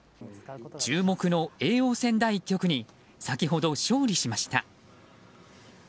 注目の叡王戦第１局に先ほど勝利しました。